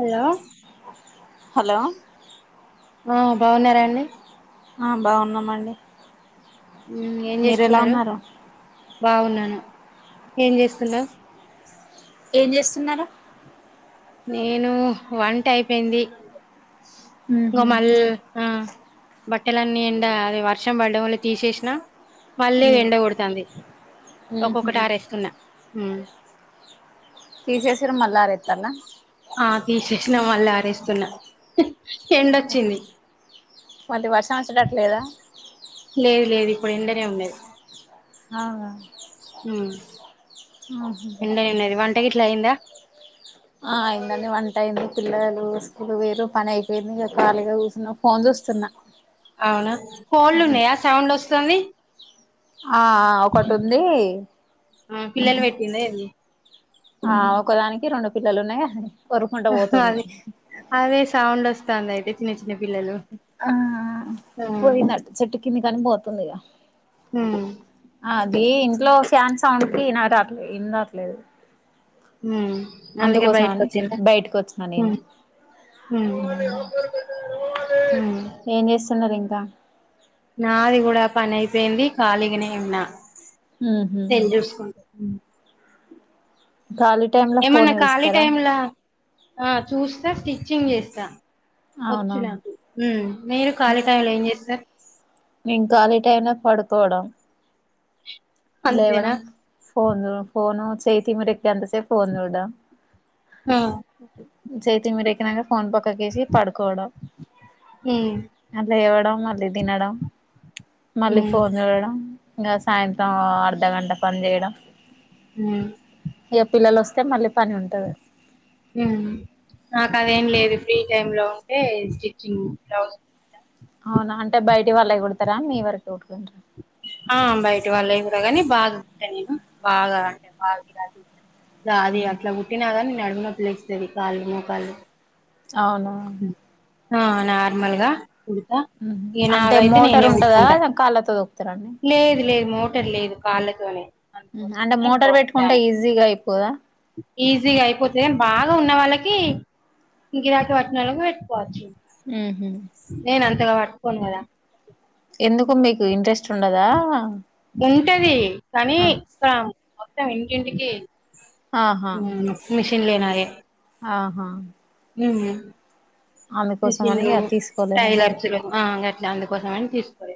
Hello hello ఆ బావున్నారాండి అ బావున్నామండి మ్ ఏం చేస్తున్నారు బావున్నాను ఏం జేస్తున్నవ్ ఏం జేస్తున్నారు నేను వంట అయిపోయింది ఉహు గుమ్మల్ నా బట్టలన్నీ ఎండా అది వర్షం పడ్డం వల్ల తీసేసిన మళ్ళీ ఎండ కొడతాంది ఉహు ఒక్కొక్కటి ఆరేస్తున్న మ్ తీసేసిన మల్లరెత్తన్న ఆ తీసేసినా మళ్ళీ ఆరేస్తున్నా ఎండొచ్చింది మళ్ళీ వర్షం వచ్చేడట్టు లేదా అప్పుడు ఎండనే ఉండేది అవునా హ్మ్ ఆహా ఎండెన్నెరవాంటె ఇట్లా అయింద ఆ అయిందండి వంట అయింది పిల్లలు స్కూల్ ఒయిరు పని అయిపోయింది ఇగ ఖాళీగా కూర్చున్నా ఫోన్ చూస్తున్నా అవునా కోళ్ళున్నాయా సౌండ్ వస్తోంది ఆ ఒకటుందీ ఆ పిల్లలు పెట్టిందా ఏంది ఆ ఒకదానికి రెండు పిల్లలు ఉన్నాయ అదే అదే సౌండ్ వస్తాంది అయితే చిన్న చిన్న పిల్లలు ఆ ఆ పోయినట్ చెట్టు కింది కని పోతుంది ఇగ హ్మ్ ఈ ఇంట్లో ఫ్యాన్స్ సౌండ్కి నా రాటల్లే ఎన్ రాట్లేదు హ్మ్ అందుకే బయటకొచ్చన్ద బయటకు వచ్చిన నేను హ్మ్ హ్మ్ మ్ త నాది కూడా పని అయిపోయింది ఖాళీగనే ఉన్న ఉహు సెల్ జూసుకుంటు మ్ ఖాళీ టైమ్ లో ఫోన్ ఏమన్నా ఖాళీ చూస్తారా టైమ్లా ఆ చూస్తే స్టిచ్చింగ్ చేస్తా వచ్చు అవునా నాకు ఉం మీరు ఖాళీ టైమ్ లో ఏం చేస్తారు నేను కాలి టైం లో పడుకోవడం అంతేనా లేవడం ఫోన్ ఫోను చేయు తిమ్మిరి అంత సేపు ఫోన్ చూడడం ఆ చెయ్యి తిమ్మిరి ఎక్కి నాక ఫోన్ పక్కకేసి పడుకోవడం ఉమ్ మళ్ళీ లేవ్వడం మళ్ళీ తినడం మళ్ళీ ఉమ్ ఫోన్ చూడడం ఇంగ సాయంత్రం అర్ధగంట పని చేయడం ఉం ఇగ పిల్లలు వస్తే మళ్ళీ పని ఉంటది ఉం నాకదేం లేదు ఫ్రీ టైమ్ లో ఉంటే స్టిచ్చింగ్ బ్లౌజ్ అవునా అంటే బయటి వాళ్ళయి కుడతారా మీ వరకే కుట్టు కుంటర ఆ బయటి వాళ్ళయి కూడా కాని బాగా తింటాను [unintelligible] నేను బాగా అంటే బాగాలాింటాను ఇగ అది అట్లా కుట్టినా గాని నడుం నొప్పి లేస్తది కాళ్లు మోకాళ్ళు అవునా ఆ నార్మల్గా కుడుతా ఉహు ఈ అంటే నావైతే మోటార్ నేనే ఉంటదా కుట్కుంటా కాళ్ళతో తొక్కుతారా అండి లేదు లేదు మోటర్ లేదు కాళ్ళ తోనే అంటే మోటార్ పెట్టుకుంటే ఈజీగా అయిపోదా ఈజీగా అయిపోతది కానీ బాగా ఉన్న వాళ్ళకి ఇ గరా [unintelligible] క వాట్టినకు వెపోచ్చు హూ హమ్ పట్టుకోను కదా ఎందుకు మీకు ఇంట్రెస్ట్ ఉండదా ఉంటది కానీ ఆ ఇక్కడ మొత్తం ఇంటింటికి ఆహా మిషన్లే నాయే ఆహా [inaudible] అందుకోసం అని మెషన్లు ఇగ [unintelligible] తీసుకోలేదా టైలర్స్లు గట్లా అందుకోసంమని తీసుకోలే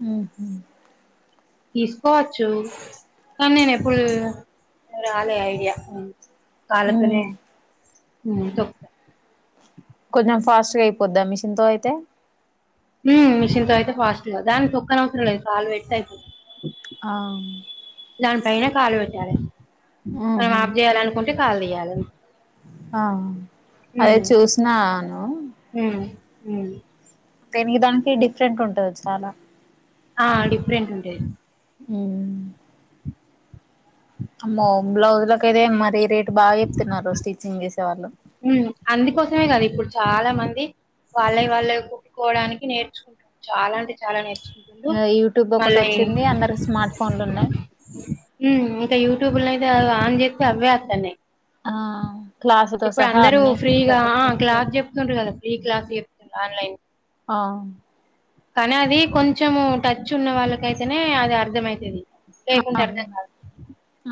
హూ హమ్ తీసుకోవచ్చు కానీ నేను ఎప్పుడు రాలే ఐడియా కాళ్ళ ఉ తోనే ఉం తొక్కుత కొంచెం ఫాస్ట్గా అయిపోద్దా మిషన్ తో అయితే ఉం మిషిన్ తో అయితే ఫాస్ట్ గా దానికి తొక్కన అవసరం లేదు కాల్ పెడితే అయిపోది ఆ దాని పైనే కాళు పెట్టాలి మనం ఉహు ఆప్ చేయాలినుకుంటే కాలు తీయాలి ఆ అదే ఉమ్ చూసినాను ఉం కానీ దానికి డిఫరెంట్ ఉంటది చాలా ఆ డిఫరెంట్ ఉంటయి ఉం అమ్మో బ్లౌజ్ లకయితే మరి రేటు బాగా చెప్తున్నారు స్టిచ్చింగ్ చేసే వాళ్ళు ఉం అందుకోసమే కదా ఇప్పుడు చాలా మంది వాళ్ళయి వాళ్లే కుట్టుకోవడానికి నేర్చుకుంటా చాల అంటే చాలా నేర్చుకుంట ఆ యూట్యూబ్ ఒకటి వచ్చింది అందరు స్మార్ట్ ఫోన్లు ఉన్నాయి ఉం ఇంకా యూట్యూబ్ లో అయితే అ ఆన్ చేస్తే అవే వస్తనయి ఆ క్లాసుతో ఇప్పుడు సహా అందరూ అన్నీ ఫ్రీగా ప్రతి ఒక్కరు క్లాస్ చెప్తారు చెప్తుండరు కదా ఫ్రీ క్లాస్ చెప్తు ఆన్లైన్ ఆవున్ కానీ అది కొంచెము టచ్ ఉన్న వాళ్ళకైతేనే అది అర్ధమైతది. ఆహా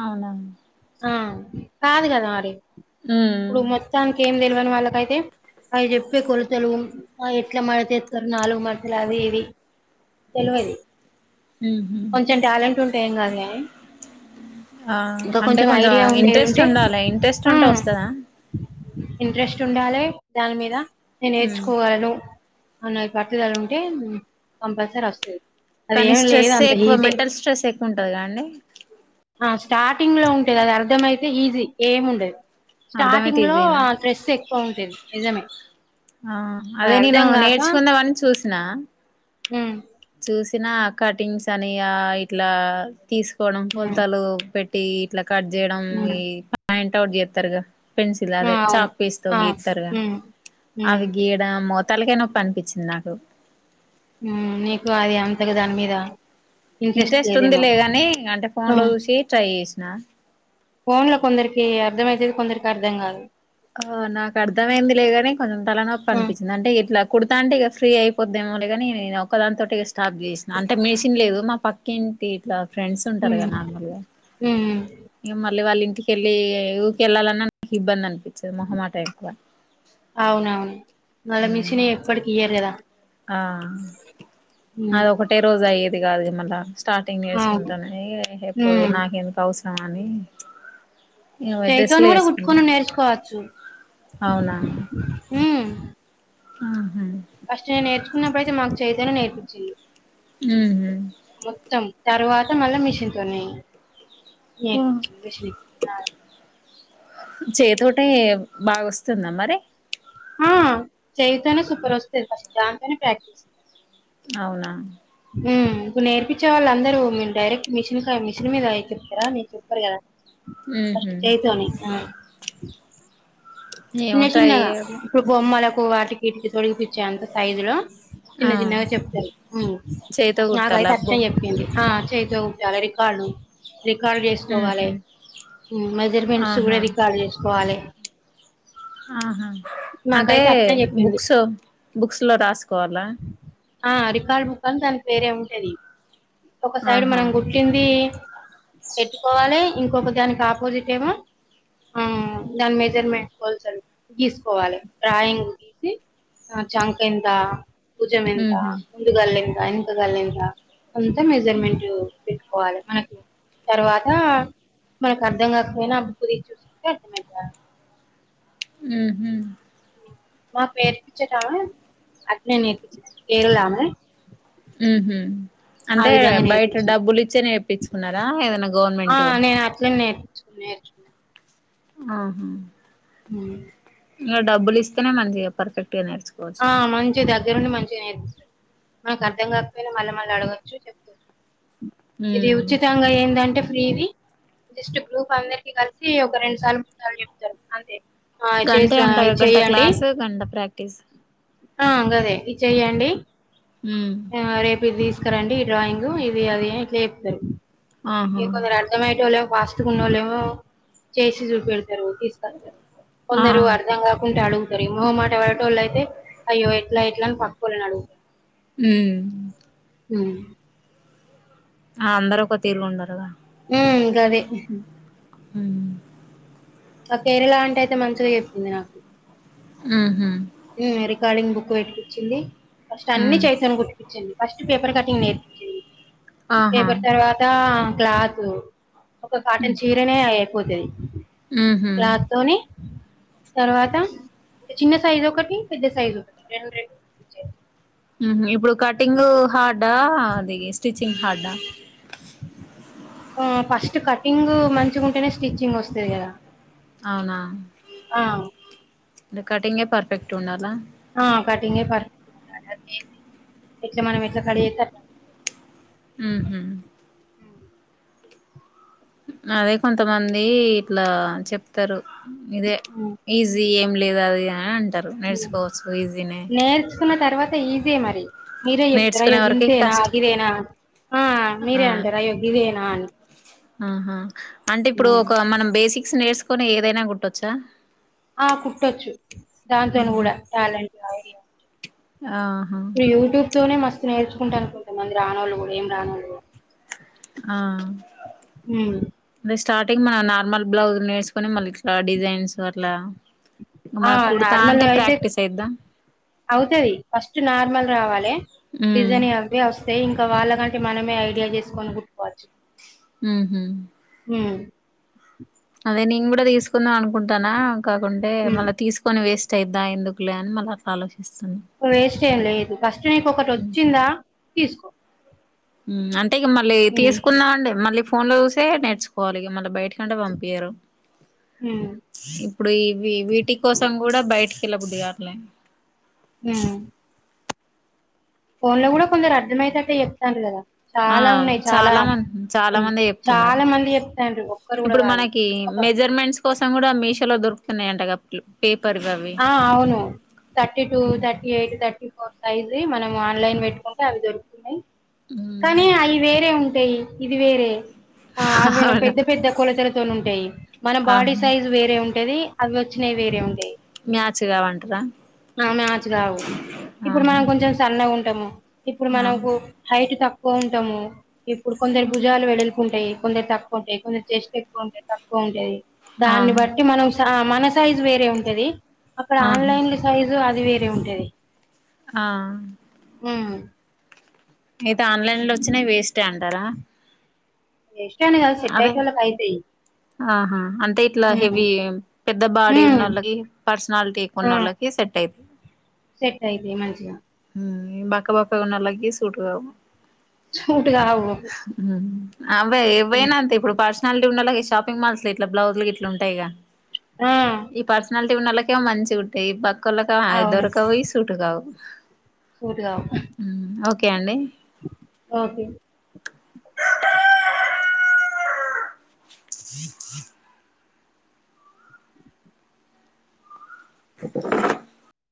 అవునవును ఆ కాదు గదా మరి ఉమ్ ఇప్పుడు మొత్తానికి ఏం తెలివని వాళ్ళకైతే. అవి చెప్పే కొలతలూ అయి ఎట్ల మడతేత్తరు నాలుగు మడతలు అవి ఇవి. తెల్వది ఊహు గాదు గానీ, ఆ ఇంకా అంటే కొంచెం ఐడియా ఇంట్రెస్ట్ ఉండేదుంటే ఉండాలే ఇంట్రెస్ట్ ఉంటే హ్మ్. వస్తదా. ఇంట్రెస్ట్ ఉండాలే దాని మీదా నేను ఉమ్ నేర్చుకోగలను. అనే పట్టుదల ఉంటే కంపల్సరీ వస్తది. అది కానీ ఏం లేదు స్ట్రెస్సే అంత ఎక్కువ ఈజీ మెంటల్ స్ట్రెస్ ఎక్కువ ఉంటది గదా అండి. ఆ స్టార్టింగ్ లో ఉంటది అది అర్ధంమయితే ఈజీ ఏముండది. అర్థమైతే స్టార్టింగ్ లో ఈజీయేనా ఆ స్ట్రెస్ ఎక్కువ ఉంటది నిజమే. ఆ అది అదే నేనూ అర్థం నేర్చుకుందమని చూశినా. ఊ చూశినా కటింగ్స్ అనీ ఆ ఇట్లా తీసుకోవడం ఉమ్ కొలతలూ పెట్టీ ఇట్ల. కట్ జేయడం ఉమ్ ఈ పాయింట్ అవుట్ చేత్తరుగా. పెన్సిల్ ఆ అదే అవును చాక్ పీస్ తో ఆ గీత్తరుగా ఉమ్ ఉమ్ అవి గీయడం మొత్త్ తలకాయ నొప్పి అనిపిచ్చింది నాకు. హ్మా నీకు అది అంతగ దాని మీదా. ఇంట్రెస్ట్ ఉంది లే గానీ అంటే ఫోన్ లో చూశీ ట్రై చేశినా. ఫోన్లో కొందరికీ అర్థమయితది కొందరికి అర్థం కాదు. ఆ నాకు అర్ధమైంది లే గాని కొంత్ తలనొప్పి ఆ అనిపిచ్చింది అంటే ఎట్లా. కుడతాంటే ఇగ ఫ్రీ అయిపోద్దేమో లే గానీ నా ఒక్క దానితోటి ఇగ స్టాప్ చేశినా అంటే మిషిన్ లేదు మా పక్కింట్ టే ఇట్లా ఫ్రెండ్స్ ఉంటరు గా ఉమ్ నార్మల్గా ఉమ్ ఇగ మళ్ మళ్ళి వాళ్ళ ఇంటికెళ్ళీ ఊకే ఎళ్ళాలన్నా నా [inaudible] ఇబ్బంది అనిపి చెం మొహమాటం ఎక్కువా మళ్ళా మిషనీ ఎప్పటికి ఇయ్యరు గదా ఆ ఉమ్ అది ఒకటే రోజు అయ్యేది గాదు మళ్ళా. స్టార్టింగ్ అవును నేర్చుకుంటానా ఏ ఏహె పో ఉమ్ నాకెందుకు అవసరం ఆ అనీ. చైతోని కూడా కుట్టుకొనుడు నేర్చుకోవచ్చు. ఊ ఆ ఫస్ట్ నేను నేర్చుకున్నప్పుడు అయితే మాకు చైతోనే నేర్పించ్చిళ్ళు. ఊహు తర్వాతా మళ్ళా మిషిన్ తోనీ నేర్పించ్చిళ్ళు మిషిన్ ఆడ చైతోటే బాగా వస్తుందా మరి. ఆ చైతోనే సూపర్ వస్తది ఫస్ట్ దాంతోనే ప్రాక్టీసు. అవునా హ్మ ఇప్పుడు నేర్పిచ్చే వాళ్ళు అందరూ మేమ్ డైరెక్ట్ మిషిన్ కాయ్ మిషిన్ మీద చెప్తరానే చెప్పరు గదా. ఫస్ట్ ఉహు చైతోని ఆ ఏమో చిన్న ట్రై చిన్నగా చేయాలి ఇప్పుడు బొమ్మలకు వాటికి ఏపిచ్చి తొడిగిపిచ్చే అంత సైజు లో. చిన్న ఆ చిన్నగా చెప్తరు ఊ చేయితో కుట్టాలా నాకైతే అబ్బో అట్లనే చెప్పింది ఆ చైతో కుట్టాలని. కాళ్ళు రికార్డ్ చేసుకోవాలే ఉహు ఉమ్ మెజర్మెంట్స్ గూడా ఆహా రికార్డ్ చేసుకోవాలే. ఆహా అంటే నాకైతే అట్నే చెప్పింది బుక్స్ బుక్స్లో రాసుకోవాలా ఆ రికార్డ్ బుక్ అన్ దాని పేరే ఉంటది ఒక సైడ్ ఆహా మనం గుట్టింది పెట్టుకోవాలి ఇం గొప్ప దానికి ఆపోజిట్ ఏమో దాని మెజర్మెంట్ పల్సది గీసుకోవాలి డ్రాయింగ్ గీసి ఆ చంక ఇంత భుజం ఎంత ఉహు ముందు కల్లిందా ఇంక కల్లిందా అంతా మెజర్మెంట్ పెట్టు కోవాలి మనక్ తర్వాత మనకు అర్థం కాకపోయినా అ బుక్ తీసి చూసుకుంటే అర్థమయితారు ఉహు మాక్ నేర్పించటమె అట్లే నేర్పిస్తది కేరళమె ఉహు అంటే బయట నేర్పించింది డబ్బులు ఇచ్చే ఇప్పించుకున్నరా ఏదైనా గవర్నమెంట్ నేర్చ్ ఆహా ఉమ్ ఇంగ డబ్బులిస్తనే మంచిగ పర్ఫెక్ట్గా నేర్చు ఆ మంచిగా దగ్గరుండి మంచిగా నేర్పి మనకు అర్థం కాకపోయినా మళ్ళీ మళ్ళీ అడగొచ్చు చెప్తుంది ఇది ఉమ్ ఉచితంగా ఏందంటే ఫ్రీది జస్ట్ గ్రూప్ అందరికి కలిసి ఒక రెండు సార్లు మూడు సార్లు చెబుతరు అంతే ఆ గంటే చేసి అంట ఇది గంట చెయ్యండి క్లాసు గంట ప్రాక్టీస్ ఆ గదే ఇది చెయ్యండి ఉమ్ ఏమో రేపు ఇది తీసుకురండి ఈ డ్రాయింగ్ ఇది అది ఇట్లా చెప్తరు ఆహా ఇన్కొందరు అర్థమయ్యే టోలు పేస్టుగున్నోళ్లేమో చేసి చూపెడతారు తీసుకొస్తారు ఆ కొందరు అర్ధం కాకుంటాడు అరి మోమాట ఎవరటోళ్ళు అయితే అయ్యో ఎట్లా ఎట్లా అని పక్కొల్లని అడుగుతరు ఉమ్ ఉమ్ ఆ అందరు ఒక తీరుగుండరుగా ఉమ్ గది ఉమ్ ఆ కేరళ అంటేయితే మంచిగా చెప్పింది నాకు ఉహు ఉమ్ రికార్డింగ్ బుక్ పెటికిచ్చింది ఫస్ట్ అన్ని ఉమ్ చేశానుట్ ఫస్ట్ పేపర్ కటింగ్ నేర్పించింది ఆహా పేపర్ తర్వాత క్లాత్ ఒక కాటన్ చీరనే అయిపోతది ఉహు క్లాత్ తోని తర్వాత ఇగ చిన్న సైజ్ ఒకటి పెద్ద సైజ్ ఒకటి రెండు రెండు ఉహు ఇప్పుడు కటింగ్ హార్డ అది స్టిచ్చింగ్ హార్డ ఆ ఫస్ట్ కటింగ్ మంచిగంటనే స్టిచ్చింగ్ వస్తది కదా అవునా ఆ అంటే కటింగే పర్ఫెక్ట్ ఉండాల ఎ కటింగే పర్ఫెక్ట్ ఉండాలే మనం ఎట్ల కడ్చేస్తే అట్లా ఉహు అదే కొంతమంది ఇట్లా చెప్తరు ఇదే ఉమ్, ఈజీ లేద అదిఅన్ నేర్చుకున్న తర్వాత ఈజీ మరి మీరే చెప్తారం నేర్చుకునే అయ్యో వరకి గింతేనా కష్టం గిదేనా ఆ ఆ మీరే అంటారు అయ్యో గిదేనా అని ఆహా అంటే ఇప్పుడు ఉమ్. ఒక మనం బేసిక్స్ నేర్చుకొని ఏదైనా కుట్టొచ్చా ఆ కుట్టొచ్చు దాంతోనే ఉహు కూడా టాలెంట్ ఆహా నేను యూట్యూబ్ తోనే మస్త్ నే కుంటాను కొంతమంది రానోళ్లు కూడా ఏం రానోళ్లు ఆ ఉమ్మ్ అదే స్టార్టింగ్ మనం నార్మల్ బ్లౌజ్లు నేర్చుకొని మళ్ళీ ఇట్లా డిజైన్స్ అట్లా ఆ మనక్ నార్మల్ కుడతాంటే అయితే ప్రాక్టీస్ అయిద్దా అవుతది ఫస్ట్ నార్మల్ రావాలే ఉమ్ డిజైన్ అవి వస్తే ఇంకా వాళ్ళ కంటే మనమే ఐడియా చేసుకొని కుట్కోవచ్చు మ్మ్ఉహ్మ్ అదే నేను కూడా తీసుకుందాం అనుకుంటానా కాకుంటే ఉమ్ మళ్ళీ తీసుకొని వేస్ట్ అయిద్దా ఎందుకులే అని మళ్ళా ఆలోచ వేస్ట్ ఏం లేదు ఫస్ట్ నీకు ఒకటి వచ్చిందా తీసుకో ఉమ్మ్ అంటే ఇగ మళ్ళీ ఉమ్ తీసుకున్నామండి మళ్ళీ ఫోన్లో చూసే నేర్చుకోవాలి ఇగ మళ్ళీ బయట కంటే పంపియరు ఉమ్ ఇప్పుడు ఈ వి వీటి కోసం కూడా బయటికి వెళ్ళ బుద్ధి కావట్లే ఉమ్మ్ ఫోన్లో కూడా కొందరు అర్థమయ్యేటట్టు చెప్తాండ్రు కదా ఆ చాలా ఉన్నాయి చాలా మంది చాలా మందే చెప్తున్నారు చాలా మంది చెప్తాండ్రు ఒక్కరు కూడా ఇప్పుడు కాదు మనకి ఒక మెజర్మెంట్స్ కోసం కూడా మీషో లో దొరుకుతున్నాయంటకా టేప్ ఆ అవును thirty two thirty eight thirty four size ది మనం ఆన్లైన్ పెట్టుకుంటే అవి దొరుకుతున్నాయి ఉమ్ కానీ అవి వేరే ఉం టాయి ఇది వేరే ఆ అవేమో అవునా పెద్ద పెద్ద కొలతలతోన ఉంటాయి మన బాడీ ఆహా సైజు వేరే ఉంటది అవి వచ్చినయి వేరే ఉంటాయి మ్యాచ్ కావంటరా అవి మ్యాచ్ కావు ఇప్పుడు ఆహా మనం కొంచెం సన్నగా ఉం టం ఇప్పుడు ఆ మనకు హైట్ తక్కువ ఉంటాము ఇప్పుడు కొందరు భుజాలు వెడెల్పు ఉంటాయి కొందరికి తక్కువ ఉంటాయి కొందరికి చెస్ట్ ఎక్కువ ఉంటాయి తక్కువ ఉంటాది ఆ దాన్ని బట్టి మనం మన సైజు వేరే ఉంటది అక్కడ ఆహా ఆన్లైన్లో సైజు అది వేరే ఉంటది ఆ అయితే ఆన్లైన్లో వచ్చినవి వేస్టే అంటారా స్ట్ అని కాదు సెట్ అదే అయ్యేటోళ్ళకి అయితాయి ఆహా అంటే ఇట్లా ఉమ్ హెవీ పెద్ద బాడీ ఉమ్ ఉన్నోళ్ళకి పర్సనాలిటీ ఎక్కువ ఆ ఉన్నోళ్ళకి సెట్ అయి అ [inaudible] సెట్ అయితాయి మంచిగా ఉమ్మ్ బక్క బక్కగా ఉన్నోలకి సూట్ కావు సూట్ కావు ఉమ్ అవే ఏవైనా అంతే ఇప్పుడు పర్సనాలిటీ ఉన్నోళ్లకి షాపింగ్ మాల్స్ ఇట్లా బ్లౌజులు గిట్లా ఉంటాయిగా ఆ పట్టి ఉన్నోళ్లకేమో మంచిగుంటాయి బక్కొలకి అయి అవును దొరకవు సుట్‌కావు సూట్ కావు ఓకే అండి ఓకే హ [unintelligible] చెప్ప [inaudible]